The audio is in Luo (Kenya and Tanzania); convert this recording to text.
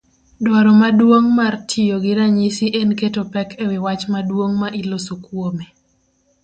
Dwaro maduong' mar tiyogi ranyisi en keto pek ewi wach maduong' ma iloso kuome.